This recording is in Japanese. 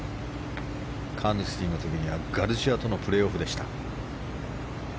カーヌスティの時にはガルシアとのプレーオフでした。